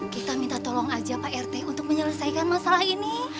kita minta tolong aja pak rt untuk menyelesaikan masalah ini